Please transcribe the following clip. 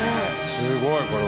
すごいこれは。